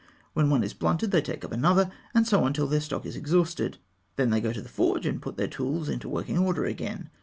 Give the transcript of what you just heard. When one is blunted, they take up another, and so on till the stock is exhausted. Then they go to the forge, and put their tools into working order again.